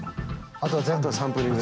あとはサンプリング。